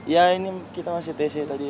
ya ini kita masih tc tadi